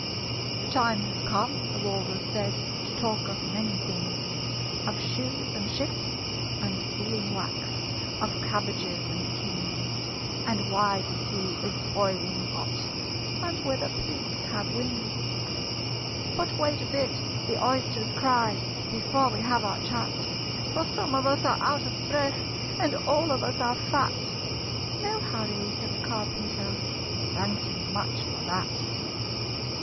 "The time has come," the Walrus said, "To talk of many things: Of shoes and ships and sealing wax Of cabbages and kings And why the sea is boiling hot And whether pigs have wings." "But wait a bit," the Oysters cried, "Before we have our chat; For some of us are out of breath, And all of us are fat!" "No hurry," said the Carpenter: They thanked him much for that.